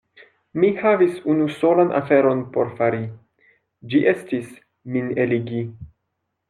Mi havis unu solan aferon por fari: ĝi estis, min eligi.